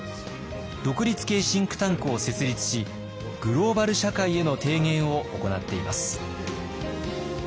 独立系シンクタンクを設立しグローバル社会への提言を行っています。